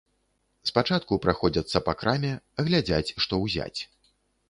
Спачатку праходзяцца па краме, глядзяць, што ўзяць.